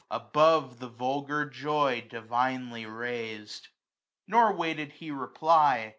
Above the vulgar joy divinely raised. Nor waited he reply.